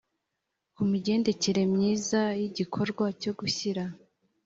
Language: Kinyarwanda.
ku migendekere myiza y igikorwa cyo gushyira